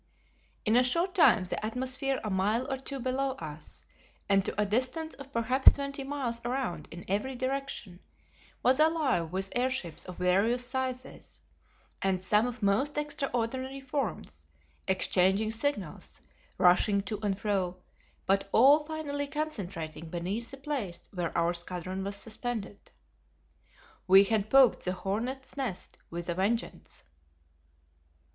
In a short time the atmosphere a mile or two below us, and to a distance of perhaps twenty miles around in every direction, was alive with airships of various sizes, and some of most extraordinary forms, exchanging signals, rushing to and fro, but all finally concentrating beneath the place where our squadron was suspended. We had poked the hornet's nest with a vengeance!